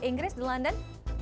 inggris di london